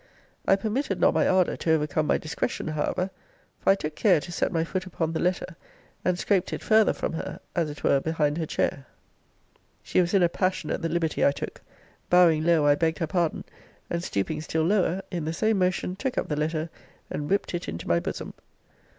I permitted not my ardour to overcome my discretion, however; for I took care to set my foot upon the letter, and scraped it farther from her, as it were behind her chair. She was in a passion at the liberty I took. Bowing low, I begged her pardon; and stooping still lower, in the same motion took up the letter, and whipt it into my bosom.